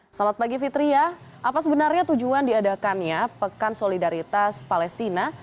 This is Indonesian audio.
selamat pagi fitriah apa sebenarnya tujuan diadakannya pekan solidaritas palestina